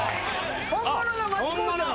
・本物の町工場の？